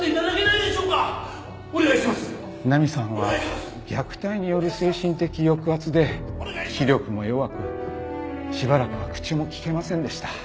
菜美さんは虐待による精神的抑圧で視力も弱くしばらくは口も利けませんでした。